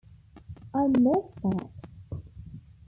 I miss that.